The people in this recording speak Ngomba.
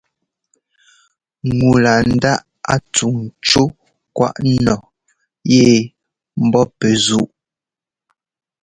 Ŋu laa ńdáꞌ a tsuŋ ńcú kwaꞌ nu yɛ ḿbɔ́ pɛ́ zúꞌ.